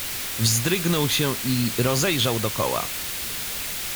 "Wzdrygnął się i rozejrzał dokoła."